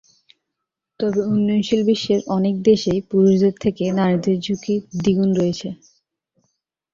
তবে উন্নয়নশীল বিশ্বের অনেক দেশেই পুরুষদের থেকে নারীদের ঝুঁকি দ্বিগুণ রয়েছে।